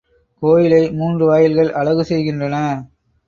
கோயிலை மூன்று வாயில்கள் அழகு செய்கின்றன.